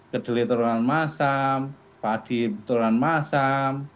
kedelai turunan masam padi turunan masam